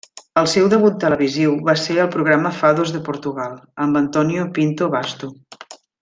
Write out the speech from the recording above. El seu debut televisiu va ser al programa Fados de Portugal, amb Antonio Pinto Basto.